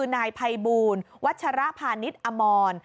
นายไพบูลวัชรภานิสมร